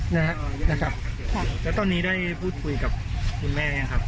แล้วตอนนี้ได้กับคุณแม่ได้พูดยังครับ